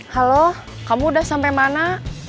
halo kamu udah sampai mana